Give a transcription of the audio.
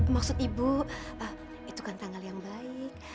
maksud ibu itu kan tanggal yang baik